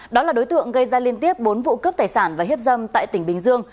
đó là đối tượng gây ra liên tiếp bốn vụ cướp tài sản và hiếp dâm tại tỉnh bình dương